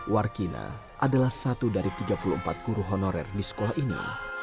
warkina adalah satu dari tiga puluh empat guru honorer di sekolah ini